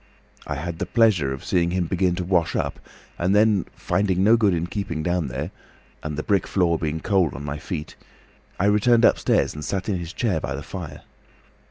I had the pleasure of seeing him begin to wash up, and then, finding no good in keeping down there, and the brick floor being cold on my feet, I returned upstairs and sat in his chair by the fire.